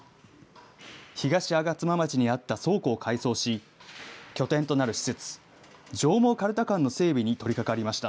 東吾妻町にあった倉庫を改装し、拠点となる施設、上毛かるた館の整備に取りかかりました。